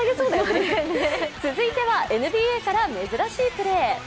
続いてはＮＢＡから珍しいプレー。